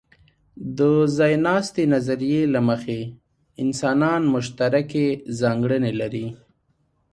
د ځایناستې نظریې له مخې، انسانان مشترکې ځانګړنې لري.